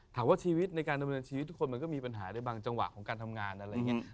ถามว่าชีวิตในการดำเนินชีวิตทุกคนมันก็มีปัญหาในบางจังหวะของการทำงานอะไรอย่างนี้